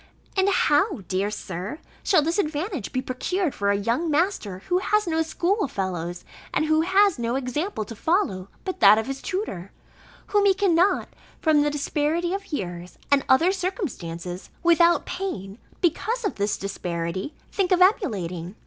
And how, dear Sir, shall this advantage be procured for a young master, who has no school fellows and who has no example to follow, but that of his tutor, whom he cannot, from the disparity of years, and other circumstances, without pain (because of this disparity), think of emulating?